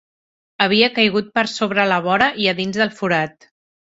Havia caigut per sobre la vora i a dins del forat.